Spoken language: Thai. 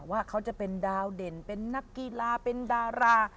ว่าเขาจะเป็นดาวเด่นเป็นนักกีฬาเป็นดารา